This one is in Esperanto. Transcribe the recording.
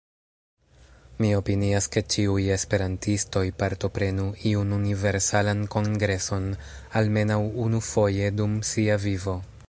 Mi opinias ke ĉiuj esperantistoj partoprenu iun Universalan Kongreson almenaŭ unufoje dum sia vivo.